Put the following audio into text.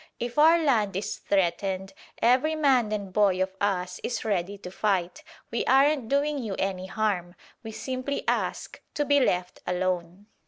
If our land is threatened, every man and boy of us is ready to fight. We aren't doing you any harm: we simply ask to be left alone."